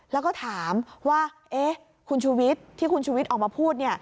แล้วก็ถามว่าคุณชูวิทย์ที่คุณชุวิตออกมาพูด